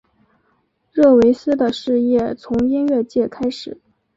热维斯的事业从音乐界开始。